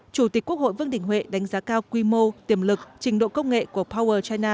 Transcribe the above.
chủ tịch quốc hội vương đình huệ đánh giá cao quy mô tiềm lực trình độ công nghệ của power china